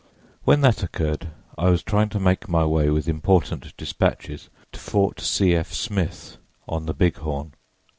When that occurred, I was trying to make my way with important dispatches to Fort C. F. Smith, on the Big Horn.